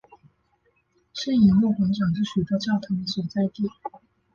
圣以诺广场是许多教堂的所在地。